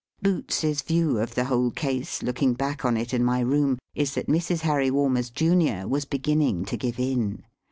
Boots's view of the whole case, looking back on it in my room, is, that Mrs. Harry Walmers, Junior, was beginning to give in.